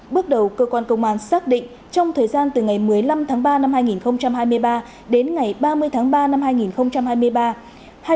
bước đầu cơ quan công an xác định trong thời gian từ ngày một mươi năm tháng ba năm hai nghìn hai mươi ba đến ngày ba mươi tháng ba năm hai nghìn hai mươi ba